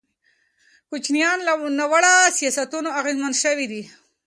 کوچیان له ناوړه سیاستونو اغېزمن شوي دي.